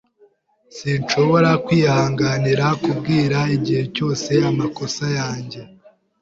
Sinshobora kwihanganira kumbwira igihe cyose amakosa yanjye.